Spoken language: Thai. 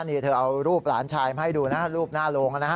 นี่เธอเอารูปหลานชายมาให้ดูนะรูปหน้าโรงนะฮะ